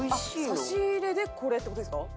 「差し入れでこれって事ですか？」